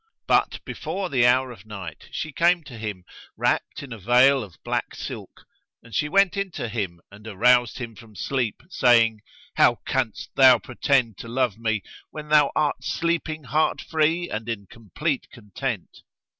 But before the hour of night she came to him, wrapped in a veil of black silk, and she went in to him and aroused him from sleep, saying, "How canst thou pretend to love me, when thou art sleeping heart free and in complete content?"